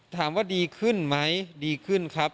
ถามว่าดีขึ้นไหมดีขึ้นครับ